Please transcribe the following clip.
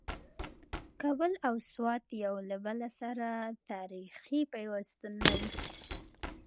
کابل او سوات یو له بل سره تاریخي پیوستون لري.